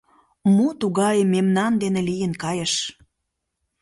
Мо тугае мемнан дене лийын кайыш?